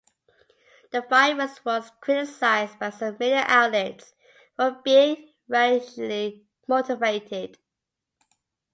The firing was criticized by some media outlets for being racially motivated.